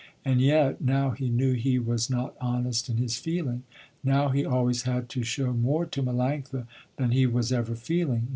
And yet now he knew he was not honest in his feeling. Now he always had to show more to Melanctha than he was ever feeling.